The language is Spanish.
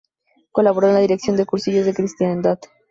Colaboró en la dirección de los Cursillos de Cristiandad.